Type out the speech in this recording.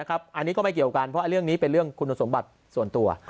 อันนี้ก็ไม่เกี่ยวกันเพราะเรื่องนี้เป็นเรื่องคุณสมบัติส่วนตัว